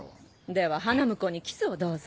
では花婿にキスをどうぞ。